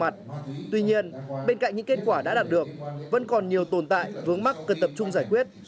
tuy nhiên bên cạnh những kết quả đã đạt được vẫn còn nhiều tồn tại vướng mắc cần tập trung giải quyết